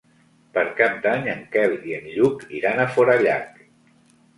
Per Cap d'Any en Quel i en Lluc iran a Forallac.